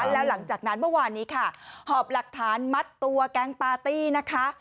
แล้วหลังจากนั้นเมื่อวานนี้ค่ะหอบหลักฐานมัดตัวแก๊งปาร์ตี้นะคะ